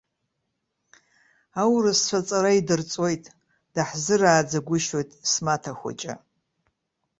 Аурысцәа аҵара идырҵоит, даҳзырааӡагәышьоит смаҭа хәыҷы.